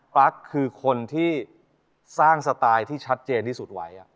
รักคือคนที่สร้างสไตล์ที่ชัดเจนที่สุดไว้